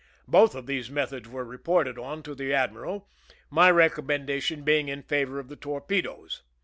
Both of these methods were reported on to the admiral, my recommendation being in favor of the torpedoes.